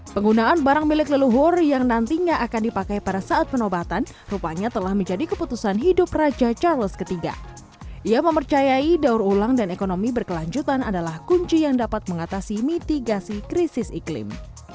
sebagian tangan ini terbuat dari kulit yang berwarna putih dan dilapisi satin sutra merah